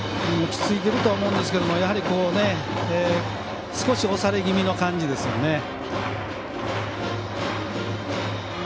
落ち着いているとは思うんですけどやはり少し押され気味な感じですね。